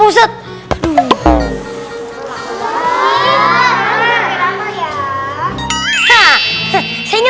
udah ingat di mana celengannya